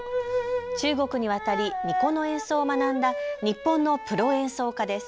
中国に渡り二胡の演奏を学んだ日本のプロ演奏家です。